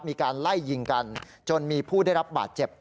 มีการไล่ยิงกันจนมีผู้ได้รับบาดเจ็บ